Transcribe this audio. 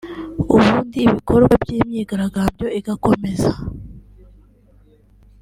ubundi ibikorwa by’imyigaragambyo igakomeza